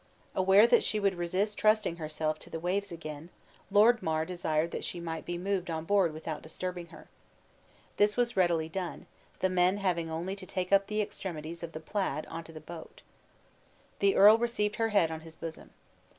Aware that she would resist trusting herself to the waves again, Lord Mar desired that she might be moved on board without disturbing her. This was readily done, the men having only to take up the extremities of the plaid on to the boat. The earl received her head on his bosom.